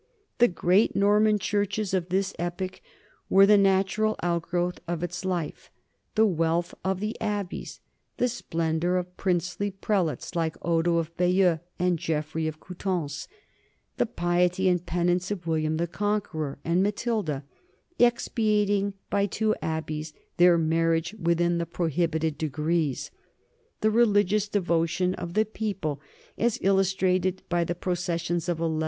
The great Norman churches of this epoch were the natural outgrowth of its life the wealth of the ab beys, the splendor of princely prelates like Odo of Bay eux and Geoffrey of Coutances, the piety and penance of William the Conqueror and Matilda, expiating by two abbeys their marriage within the prohibited de grees, the religious devotion of the people as illustrated by the processions of 1145.